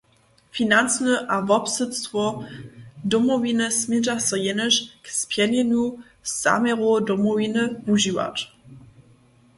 Financy a wobsydstwo Domowiny smědźa so jenož k spjelnjenju zaměrow Domowiny wužiwać.